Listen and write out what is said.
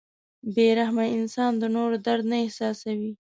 • بې رحمه انسان د نورو درد نه احساسوي.